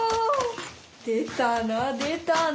出たな出たな！